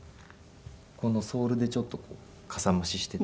このソールでちょっとこうかさまししていて。